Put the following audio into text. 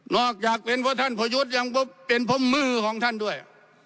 อกจากเป็นเพราะท่านประยุทธ์ยังพบเป็นเพราะมือของท่านด้วย